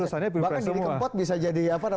bahkan jadi keempat bisa jadi trending topic gitu